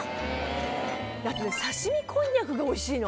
あとね刺し身こんにゃくがおいしいの。